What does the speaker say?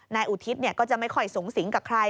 นายอุทิศเนี่ยก็จะไม่ค่อยสงสิงกับใคร